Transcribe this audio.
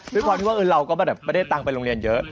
เพราะความที่ว่าเราก็ไม่ได้ต่างไปโรงเรียนเยอะ